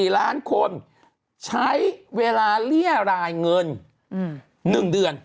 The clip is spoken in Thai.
๔ล้านคนใช้เวลาเรียรายเงิน๑เดือน